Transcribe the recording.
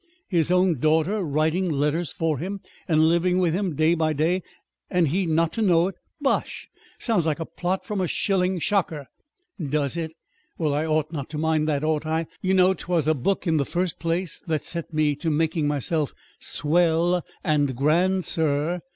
"His own daughter writing his letters for him, and living with him day by day, and he not to know it? Bosh! Sounds like a plot from a shilling shocker!" "Does it? Well, I ought not to mind that, ought I? you know 'twas a book in the first place that set me to making myself 'swell' and 'grand,' sir."